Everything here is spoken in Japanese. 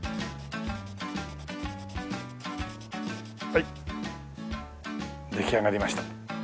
はい出来上がりました。